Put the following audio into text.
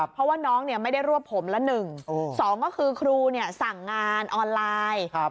เพราะว่าน้องเนี่ยไม่ได้รวบผมละหนึ่งสองก็คือครูเนี่ยสั่งงานออนไลน์